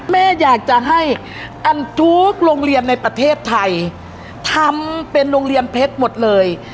แม่อยากจะให้อันทุกโรงเรียนในประเทศไทยทำเป็นโรงเรียนเพชรหมดเลย